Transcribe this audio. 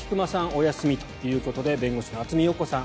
お休みということで弁護士の渥美陽子さん